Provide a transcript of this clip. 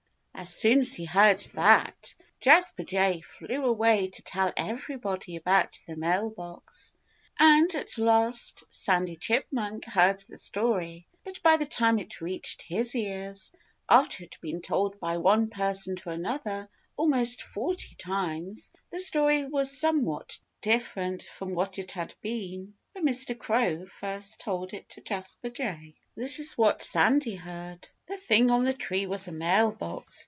As soon as he heard that, Jasper Jay flew away to tell everybody about the mail box. And at last Sandy Chipmunk heard the story. But by the time it reached his ears after it had been told by one person to another almost forty times the story was somewhat different from what it had been when Mr. Crow first told it to Jasper Jay. This is what Sandy heard: The thing on the tree was a mailbox.